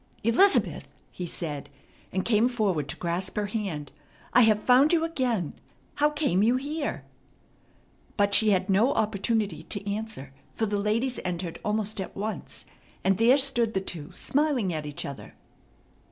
"Elizabeth!" he said, and came forward to grasp her hand. "I have found you again. How came you here?" But she had no opportunity to answer, for the ladies entered almost at once, and there stood the two smiling at each other.